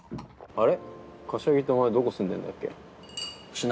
あれ？